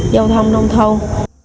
giao thông nông thông